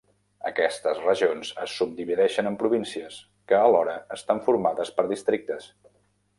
Aquestes regions es subdivideixen en províncies, que alhora estan formades per districtes.